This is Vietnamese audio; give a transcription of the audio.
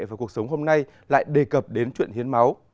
và cuộc sống hôm nay lại đề cập đến chuyện hiến máu